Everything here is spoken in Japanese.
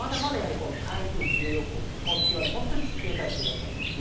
台風１６号、今週は警戒していただきたいです。